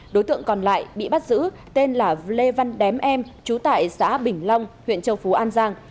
đối tượng còn lại bị bắt giữ tên là lê văn đém em trú tại xã bình long huyện châu phú an giang